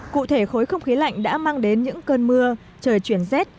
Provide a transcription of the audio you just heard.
cụ thể khối không khí lạnh đã mang đến những cơn mưa trời chuyển rét